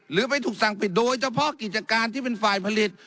ไม่ถูกสั่งปิดโดยเฉพาะกิจการที่เป็นฝ่ายผลิต